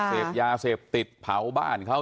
เสพยาเสพติดเผาบ้านเขา